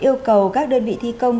yêu cầu các đơn vị thi công